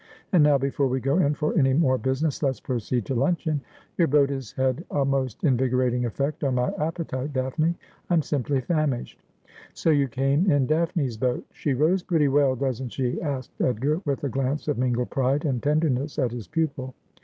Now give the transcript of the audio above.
And now before we go in for any more business let's proceed to luncheon. Your boat has had a most invigorating effect on my appetite, Daphne. I'm simply famished.' ' So you came in Daphne's boat. She rows pretty well, doesn't she ?' asked Edgar, with a glance of mingled pride and tenderness at his pupil.